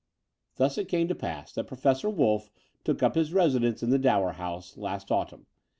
Thus it came to pass that Professor Wolff took up his residence in the Dower House last auttunn.